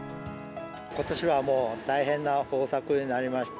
ことしはもう大変な豊作になりました。